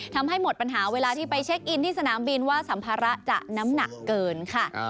ทำให้หมดปัญหาเวลาที่ไปเช็คอินที่สนามบินว่าสัมภาระจะน้ำหนักเกินค่ะ